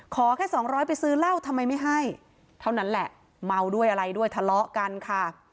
แค่สองร้อยไปซื้อเหล้าทำไมไม่ให้เท่านั้นแหละเมาด้วยอะไรด้วยทะเลาะกันค่ะ